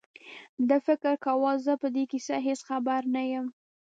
ده فکر کاوه زه په دې کیسه هېڅ خبر نه یم.